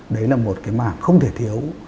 đấy là một cái mạng không thể thiếu